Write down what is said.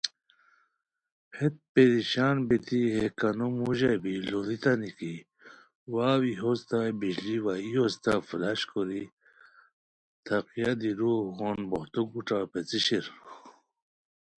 ہیت پریشان بیتی ہے کانو موڑا بی لُوڑیتانی کی واؤ ای ہوستہ بشلی وا ای ہوستہ فلاش کوری تھائقہ دیرؤغون بوختو گوݯہ پیڅھی شیر